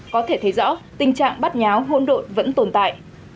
có thể thấy rõ tình trạng bắt nháo hôn đội vẫn tồn tại